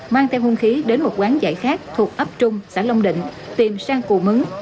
mang theo hung khí đến một quán giải khác thuộc ấp trung xã long định tìm sang cù mứng